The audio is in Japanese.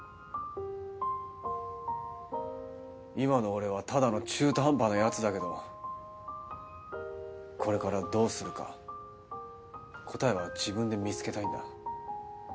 今の俺はただの中途半端な奴だけどこれからどうするか答えは自分で見つけたいんだ。